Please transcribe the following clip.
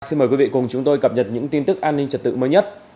xin mời quý vị cùng chúng tôi cập nhật những tin tức an ninh trật tự mới nhất